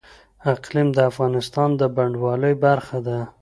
اقلیم د افغانستان د بڼوالۍ برخه ده.